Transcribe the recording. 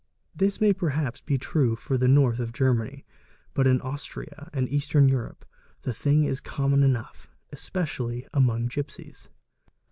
This may perhaps be true for the North of Germany, but ir Austria and Eastern Europe the thing is common enough, especially among gipsies.